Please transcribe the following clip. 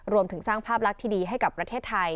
รวมถึงสร้างภาพลักษณ์ที่ดีให้กับประเทศไทย